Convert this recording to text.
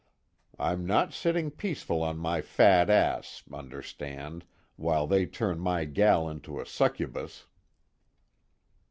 I'm not sitting peaceful on my fat ass, understand, while they turn my girl into a succubus."